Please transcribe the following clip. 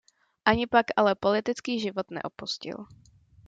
Ani pak ale politický život neopustil.